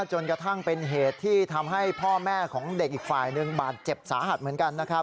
จนกระทั่งเป็นเหตุที่ทำให้พ่อแม่ของเด็กอีกฝ่ายหนึ่งบาดเจ็บสาหัสเหมือนกันนะครับ